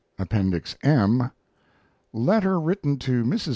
APPENDIX M LETTER WRITTEN TO MRS.